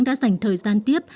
đã dành thời gian tiếp